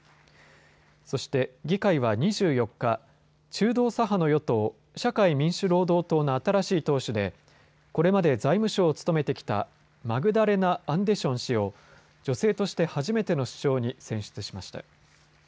そして議会は２４日、中道左派の与党、社会民主労働党の新しい党首でこれまで財務相を務めてきたマグダレナ・アンデション氏を女性として初めての首相に選出しました。